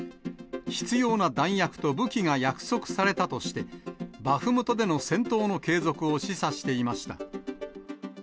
必要な弾薬と武器が約束されたとして、バフムトでの戦闘の継続を示唆していました。